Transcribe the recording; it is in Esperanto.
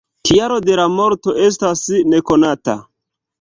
Kialo de la morto estas nekonata.